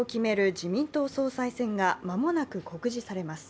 自民党総裁選が間もなく告示されます。